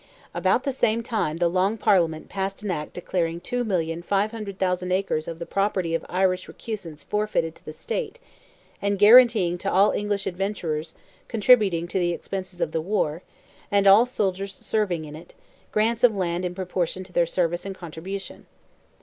About the same time the Long Parliament passed an act declaring 2,500,000 acres of the property of Irish recusants forfeited to the State, and guaranteeing to all English "adventurers" contributing to the expenses of the war, and all soldiers serving in it, grants of land in proportion to their service and contribution.